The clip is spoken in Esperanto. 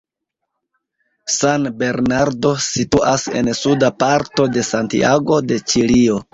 San Bernardo situas en suda parto de Santiago de Ĉilio.